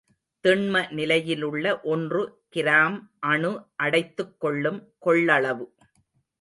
திண்ம நிலையிலுள்ள ஒன்று கிராம் அணு அடைத்துக் கொள்ளும் கொள்ளளவு.